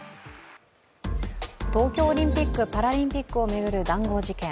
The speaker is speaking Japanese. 東京オリンピック・パラリンピックを巡る談合事件。